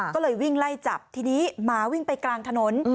ก็เลยวิ่งไล่จับทีนี้หมาวิ่งไปกลางถนน